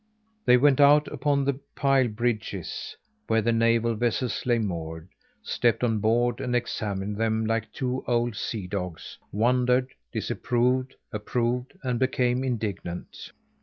They went out upon the pile bridges, where the naval vessels lay moored, stepped on board and examined them like two old sea dogs; wondered; disapproved; approved; and became indignant.